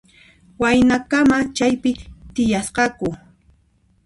Waynakama chaypi tiyasqaku.